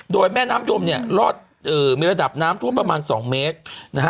โดยแม่น้ำยมเนี่ยรอดมีระดับน้ำท่วมประมาณ๒เมตรนะฮะ